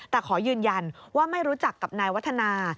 แต่ขอยืนยันว่าไม่รู้จักกับนายวัฒนา